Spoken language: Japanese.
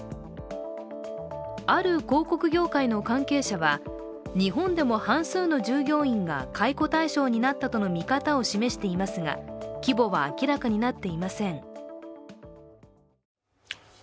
ある広告業界の関係者は、日本でも半数の従業員が解雇対象になったとの見方を示していますが規模は明らかになっていません。